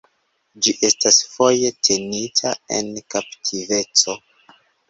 Ĝi estas foje tenita en kaptiveco.